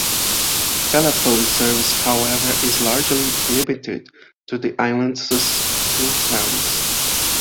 Telephone service, however, is largely limited to the islands' few towns.